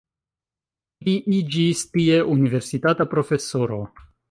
Li iĝis tie universitata profesoro.